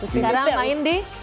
sekarang main di